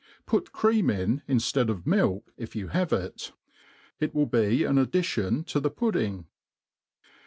Put cream in, inftead of milk, jf you have it. It will be an addition to the pudding.